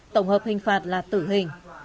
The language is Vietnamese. tổng hợp hình phạt là tử hình